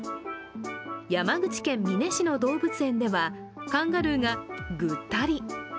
山口県美祢市の動物園ではカンガルーがぐったり。